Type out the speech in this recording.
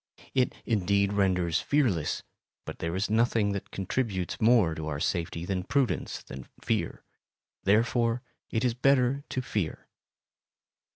It indeed renders fearless, but there is nothing that contributes more to our safety than prudence and fear; therefore it is better to fear.